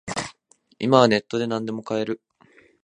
今はネットでなんでも買える